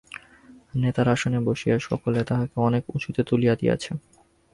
নেতার আসনে বসাইয়া সকলে তাহাকে অনেক উঁচুতে তুলিয়া দিয়াছে।